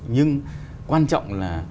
nhưng quan trọng là